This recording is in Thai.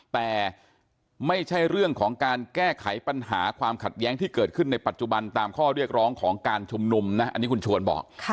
แต่ไม่ใช่เรื่องของการแก้ไขปัญหาความขัดแย้งที่เกิดขึ้นในปัจจุบันตามข้อเรียกร้องของการชุมนุมนะอันนี้คุณชวนบอก